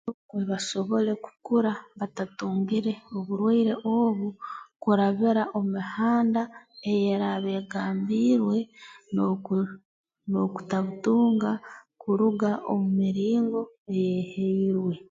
Kwe basobole kukura batatungire oburwaire obu kurabira omu mihanda eyeraaba egambiirwe n'oku n'okutabutunga kuruga omu miringo eyeehairwe